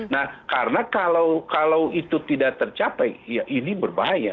nah karena kalau itu tidak tercapai ya ini berbahaya